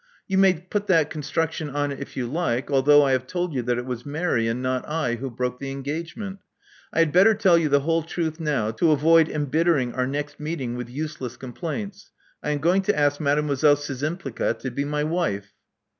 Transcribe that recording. You may put that con struction on it if you like, although I have told you that it was Mary, and not I, who broke the engage ment. I had better tell you the whole truth now, to avoid embittering our next meeting with useless com plaints. I am going to ask Mademoiselle Szczympliga to be my wife."